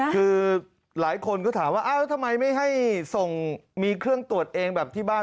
คือหลายคนก็ถามว่าอ้าวแล้วทำไมไม่ให้ส่งมีเครื่องตรวจเองแบบที่บ้าน